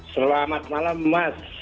selamat malam mas